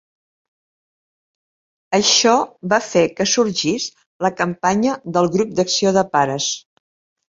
Això va fer que sorgís la campanya del grup d'acció de pares.